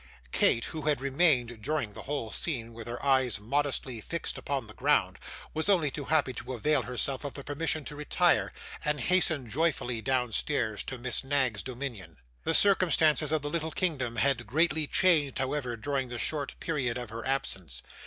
Kate, who had remained during the whole scene with her eyes modestly fixed upon the ground, was only too happy to avail herself of the permission to retire, and hasten joyfully downstairs to Miss Knag's dominion. The circumstances of the little kingdom had greatly changed, however, during the short period of her absence.